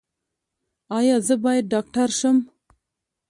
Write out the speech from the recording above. ایا زه باید ډاکټر شم؟